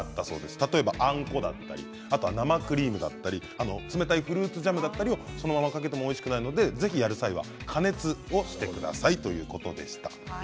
例えば、あんこだったり生クリームだったり冷たいフルーツジャムだったりそのままかけてもおいしくないのでやる際には加熱をしてくださいということでした。